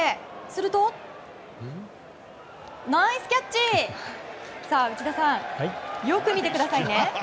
すると、ナイスキャッチ！内田さん、よく見てくださいね。